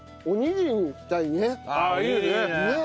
おにぎりいいね。